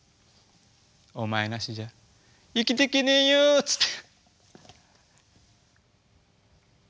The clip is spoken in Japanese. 「お前なしじゃ生きてけねえよ」つって。